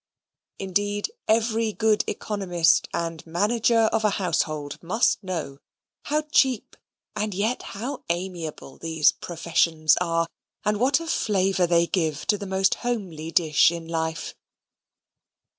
Indeed every good economist and manager of a household must know how cheap and yet how amiable these professions are, and what a flavour they give to the most homely dish in life.